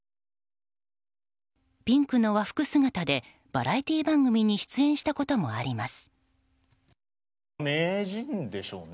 ピンクの和服姿でバラエティー番組に出演したこともあります。